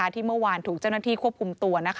ที่เมื่อวานถูกเจ้าหน้าที่ควบคุมตัว